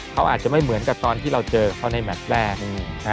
เขาอาจจะไม่เหมือนกับตอนที่เราเจอเขาในแมทแรก